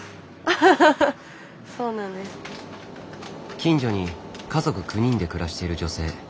近所に家族９人で暮らしている女性。